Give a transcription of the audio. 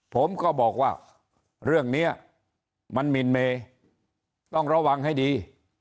ผมก็บอกว่าเรื่องนี้มันหมินเมต้องระวังให้ดี